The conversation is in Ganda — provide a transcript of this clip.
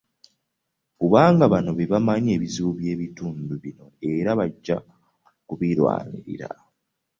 Kubanga bano be bamanyi ebizibu by'ebitundu bino era abajja okubirwanirira.